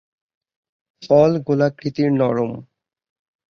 ফল গোলাকৃতির নরম।